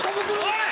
おい！